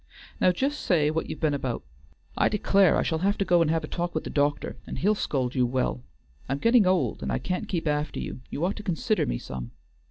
Now just say what you've been about. I declare I shall have to go and have a talk with the doctor, and he'll scold you well. I'm gettin' old and I can't keep after you; you ought to consider me some.